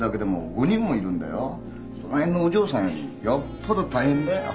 その辺のお嬢さんよりよっぽど大変だよ。